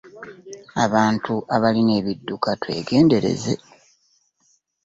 Abantu abalina ebidduka twegendereze.